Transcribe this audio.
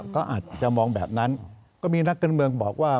ก็อาจจะมองแบบนั้นก็มีนักการเมืองบอกว่า